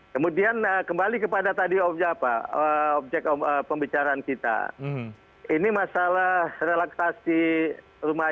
kemudian kembali kepada tadi objek apa objek pembicaraan kita ini masalah relaksasi rumah